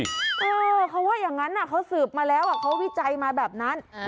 เออเขาว่าอย่างนั้นเขาสืบมาแล้วเขาวิจัยมาแบบนั้น